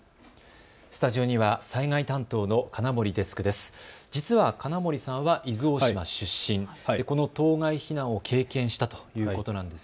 スタジオには災害担当の金森デスクです。